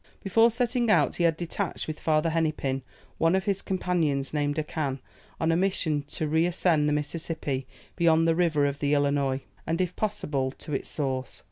Before setting out, he had detached with Father Hennepin, one of his companions named Dacan, on a mission to reascend the Mississippi beyond the river of the Illinois, and if possible, to its source.